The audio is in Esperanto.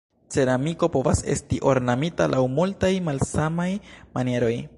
Ceramiko povas esti ornamita laŭ multaj malsamaj manieroj.